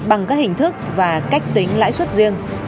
bằng các hình thức và cách tính lãi suất riêng